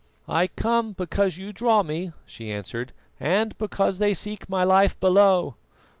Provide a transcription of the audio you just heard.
"I come because you draw me," she answered, "and because they seek my life below."